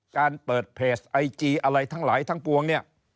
การเปิดเพจไอจีอะไรทั้งหลายทั้งปวงเนี่ย